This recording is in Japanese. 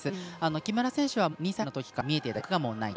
木村選手は２歳のときに見えていた記憶がないと。